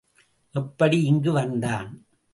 எப்படி இங்கு வந்தான்?